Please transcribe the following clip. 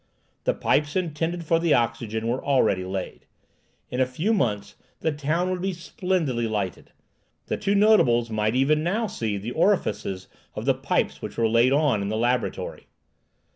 The pipes intended for the oxygen were already laid. In a few months the town would be splendidly lighted. The two notables might even now see the orifices of the pipes which were laid on in the laboratory.